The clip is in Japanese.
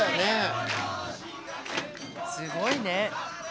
すごいね。